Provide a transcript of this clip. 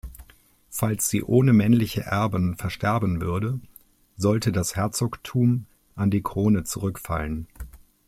Falls sie ohne männliche Erben versterben würde, sollte das Herzogtum an die Krone zurückfallen.